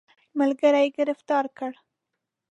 ملګري یې ګرفتار کړ.